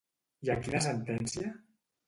I a quina sentència?